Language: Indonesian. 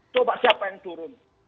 coba siapa yang turun